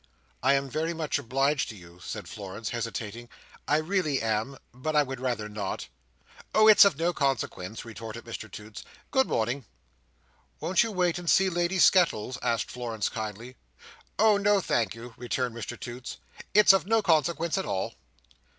"I am very much obliged to you," said Florence, hesitating. "I really am—but I would rather not." "Oh, it's of no consequence," retorted Mr Toots. "Good morning." "Won't you wait and see Lady Skettles?" asked Florence, kindly. "Oh no, thank you," returned Mr Toots, "it's of no consequence at all."